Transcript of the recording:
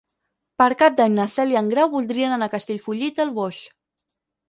Per Cap d'Any na Cel i en Grau voldrien anar a Castellfollit del Boix.